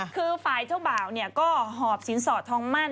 คือฝ่ายเจ้าบ่าวก็หอบสินสอดทองมั่น